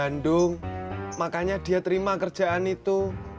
bandung makanya dia terima kerjaan itu